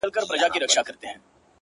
o زما د ميني ليونيه ـ ستا خبر نه راځي ـ